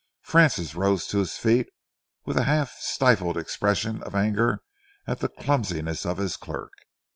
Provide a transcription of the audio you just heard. Francis rose to his feet with a half stifled expression of anger at the clumsiness of his clerk.